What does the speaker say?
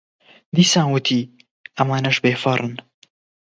دیسان وتی: ئەمانەش بێفەڕن.